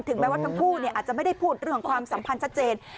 แม้ว่าทั้งคู่อาจจะไม่ได้พูดเรื่องของความสัมพันธ์ชัดเจน